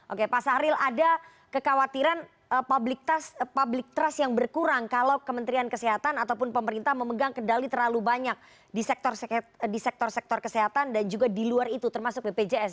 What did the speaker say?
oke pak sahril ada kekhawatiran public trust yang berkurang kalau kementerian kesehatan ataupun pemerintah memegang kendali terlalu banyak di sektor sektor kesehatan dan juga di luar itu termasuk bpjs